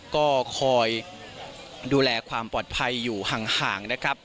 ก็คอยดูแลความปลอดภัยอยู่ห่างนะครับ